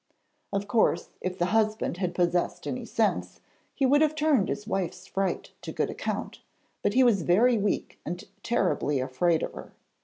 Of course, if the husband had possessed any sense he would have turned his wife's fright to good account, but he was very weak and terribly afraid of her.